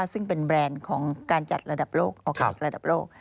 ซึ่งเป็นแบรนด์ของการจัดระดับโลกออร์แกนิคระดับโลก